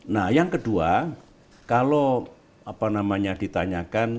nah yang kedua kalau apa namanya ditanyakan